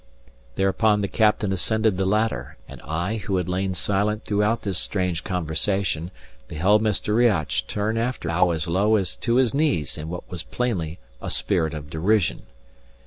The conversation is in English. Thereupon the captain ascended the ladder; and I, who had lain silent throughout this strange conversation, beheld Mr. Riach turn after him and bow as low as to his knees in what was plainly a spirit of derision.